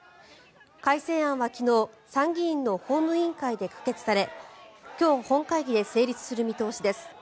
改正案は昨日参議院の法務委員会で可決され今日、本会議で成立する見通しです。